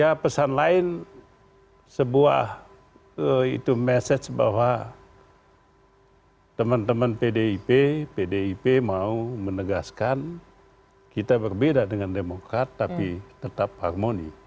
ya pesan lain sebuah itu message bahwa teman teman pdip pdip mau menegaskan kita berbeda dengan demokrat tapi tetap harmoni